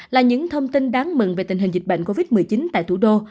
là những thông tin đáng mừng về tình hình dịch bệnh covid một mươi chín tại thủ đô